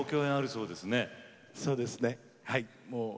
そうですねはい。